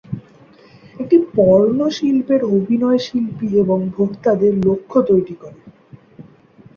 এটি পর্নো শিল্পের অভিনয়শিল্পী এবং ভোক্তাদের লক্ষ্য করে তৈরি।